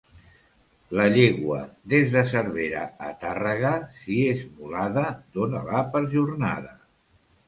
La llegua, des de Cervera a Tàrrega, si és mulada dona-la per jornada.